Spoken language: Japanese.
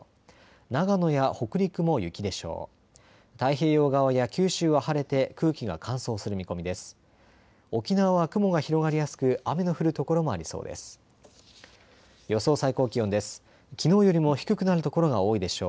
長野や北陸も雪でしょう。